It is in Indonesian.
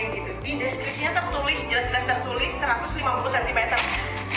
di deskripsinya tertulis jelas jelas tertulis satu ratus lima puluh cm